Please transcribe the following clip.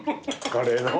カレーの？